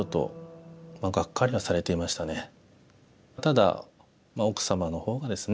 ただ奥様のほうがです